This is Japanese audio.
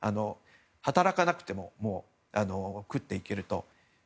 働かなくても食っていけると。